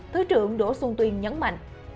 thứ trưởng đỗ xuân tuyên nhấn mạnh